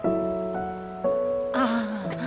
ああ